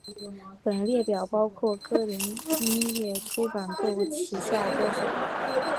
本列表包括歌林音乐出版部旗下歌手。